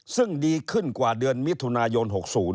ซึ่งดีขึ้นกว่าเดือนมิถุนายน๖๐